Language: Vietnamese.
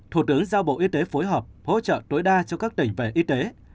thủ tướng giao bộ y tế phối hợp hỗ trợ tối đa cho các tỉnh về y tế